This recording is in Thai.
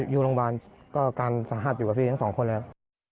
อยู่โรงพยาบาลก็อาการสาหัสอยู่กับพี่ทั้งสองคนแล้ว